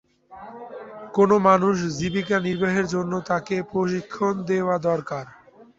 কোন মানুষের জীবিকা নির্বাহের জন্য তাকে প্রশিক্ষণ দেওয়া দরকার।